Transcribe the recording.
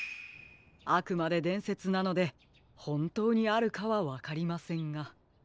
あくまででんせつなのでほんとうにあるかはわかりませんが。